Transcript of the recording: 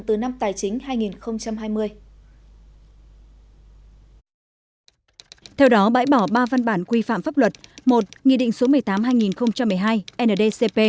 từ năm tài chính hai nghìn hai mươi theo đó bãi bỏ ba văn bản quy phạm pháp luật một nghị định số một mươi tám hai nghìn một mươi hai